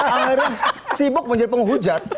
akhirnya sibuk menjadi penghujat